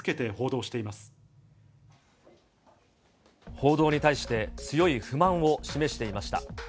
報道に対して、強い不満を示していました。